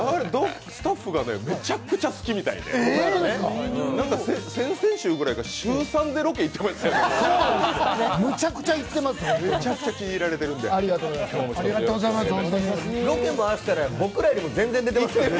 スタッフがめちゃくちゃ好きみたいで先々週ぐらいから週３ぐらいでロケ行ってますよね。